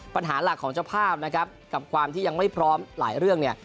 ปัญหาหลักของเจ้าภาพกับความที่ยังไม่พร้อมหลายเรื่อง